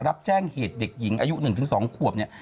รับแจ้งเหตุเด็กหญิงอายุ๑๒ขวบเนี่ย